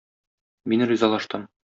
Мин ризалаштым.